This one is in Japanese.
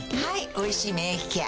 「おいしい免疫ケア」